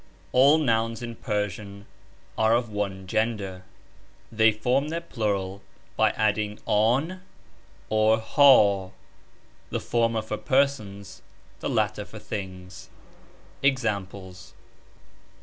All nouns in Persian are of one gender. They form their plural by adding ^\ tin or U ha, the former for persons, the latter for things. EXAMPLES.